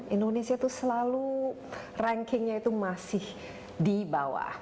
indonesia itu selalu rankingnya itu masih di bawah